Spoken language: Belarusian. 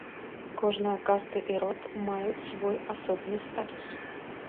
Кожная каста і род маюць свой асобны статус.